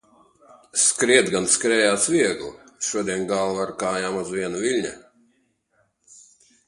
Skriet gan skrējās viegli, šodien galva ar kājām uz viena viļņa.